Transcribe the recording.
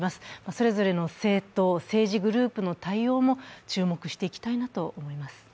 それぞれの政党、政治グループの対応も注目していきたいなと思います。